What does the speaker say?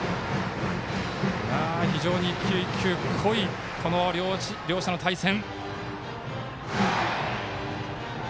非常に一球一球、濃い両者の対戦。